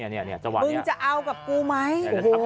นี่จังหวะนี้มึงจะเอากับกูไหม